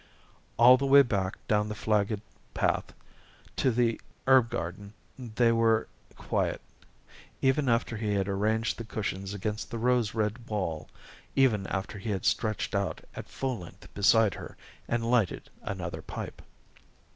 All the way back down the flagged path to the herb garden they were quiet even after he had arranged the cushions against the rose red wall, even after he had stretched out at full length beside her and lighted another pipe.